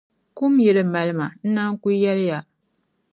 Kum n-yi di mali ma, n naan ku yɛli ya.